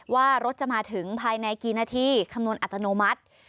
ว่ารถจะมาถึงภายในกี่นาทีคำนวณอัตโนมัติ